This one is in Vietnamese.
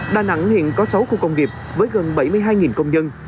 đà nẵng hiện có sáu khu công nghiệp với gần bảy mươi hai công nhân